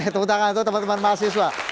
tepuk tangan untuk teman teman mahasiswa